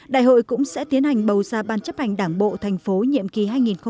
đại hội cũng sẽ tiến hành bầu ra ban chấp hành đảng bộ thành phố nhiệm kỳ hai nghìn hai mươi hai nghìn hai mươi năm